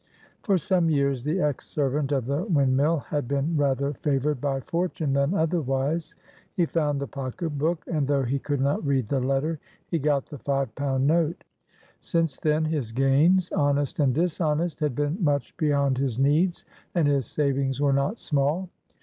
FOR some years the ex servant of the windmill had been rather favored by fortune than otherwise. He found the pocket book, and, though he could not read the letter, he got the five pound note. Since then, his gains, honest and dishonest, had been much beyond his needs, and his savings were not small.